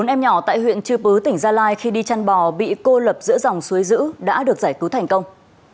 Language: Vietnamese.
bốn em nhỏ tại huyện chư pứ tỉnh gia lai khi đi chăn bò bị cô lập giữa dòng suối dữ đã được giải cứu thành công